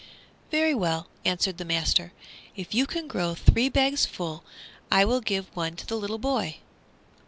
"Very well," answered the master; "if you can grow three bags full I will give one to the little boy."